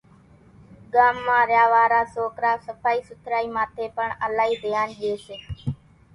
ڳام مان ريا وارا سوڪرا سڦائِي سُٿرائِي ماٿيَ پڻ الائِي ڌيانَ ڄيَ سي۔